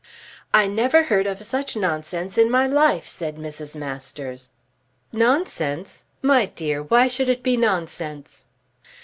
"I never heard of such nonsense in my life," said Mrs. Masters. "Nonsense, my dear! Why should it be nonsense?"